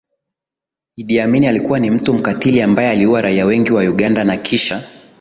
Idi Amin alikuwa ni mtu mkatili ambaye aliua raia wengi wa Uganda na kisha